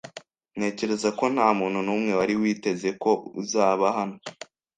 Ntekereza ko ntamuntu numwe wari witeze ko uzaba hano.